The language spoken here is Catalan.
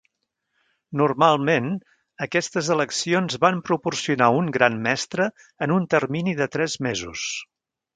Normalment, aquestes eleccions van proporcionar un gran mestre en un termini de tres mesos.